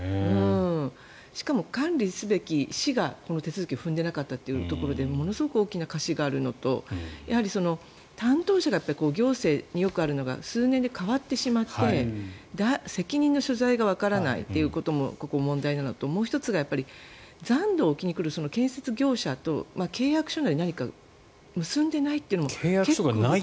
しかも、管理すべき市がこの手続きを踏んでいなかったというところでものすごく大きな瑕疵があるのと担当者が、行政によくあるのが数年で代わってしまって責任の所在がわからないのも問題なのと、もう１つが残土を置きに来る建設業者と契約書なり何か結んでいないというのもね。